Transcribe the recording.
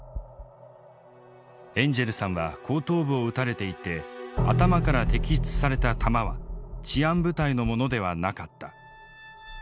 「エンジェルさんは後頭部を撃たれていて頭から摘出された弾は治安部隊のものではなかった。